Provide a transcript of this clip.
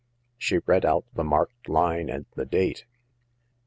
She read out the marked line and the date.